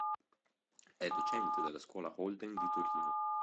È docente della Scuola Holden di Torino.